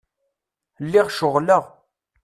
Lliɣ ceɣleɣ.